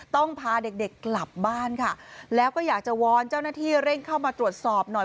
พาเด็กเด็กกลับบ้านค่ะแล้วก็อยากจะวอนเจ้าหน้าที่เร่งเข้ามาตรวจสอบหน่อย